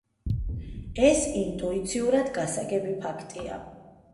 ეს ინტუიციურად გასაგები ფაქტია.